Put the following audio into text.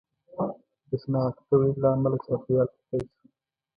• د صنعتي تولید له امله چاپېریال ککړ شو.